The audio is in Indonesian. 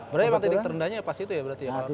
berarti emang didik terendahnya pas itu ya berarti ya pak